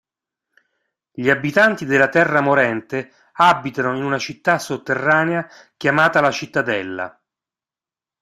Gli abitanti della terra morente abitano in una città sotterranea chiamata La Cittadella.